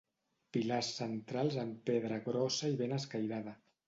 Pilars centrals en pedra grossa i ben escairada.